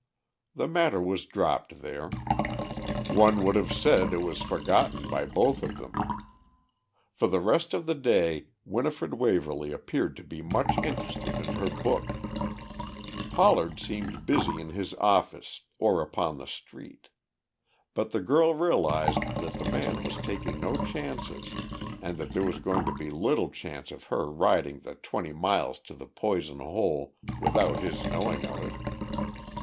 The matter was dropped there; one would have said it was forgotten by both of them. For the rest of the day Winifred Waverly appeared to be much interested in her book, Pollard seemed busy in his office or upon the street. But the girl realized that the man was taking no chances and that there was going to be little chance of her riding the twenty miles to the Poison Hole without his knowing of it.